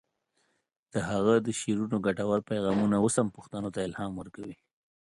د هغه د شعرونو ګټور پیغامونه اوس هم پښتنو ته الهام ورکوي.